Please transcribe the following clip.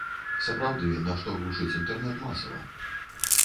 Сапраўды, нашто глушыць інтэрнэт масава?